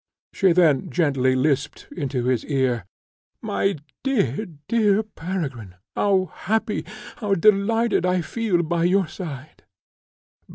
She then gently lisped into his ear, "My dear, dear Peregrine, how happy, how delighted I feel by your side!"